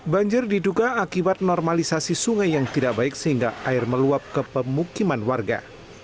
banjir diduga akibat normalisasi sungai yang tidak baik sehingga air meluap ke pemukiman warga